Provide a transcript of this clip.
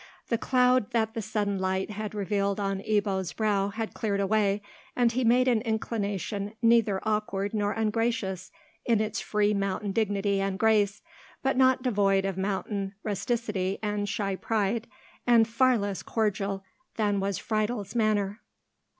The cloud that the sudden light had revealed on Ebbo's brow had cleared away, and he made an inclination neither awkward nor ungracious in its free mountain dignity and grace, but not devoid of mountain rusticity and shy pride, and far less cordial than was Friedel's manner.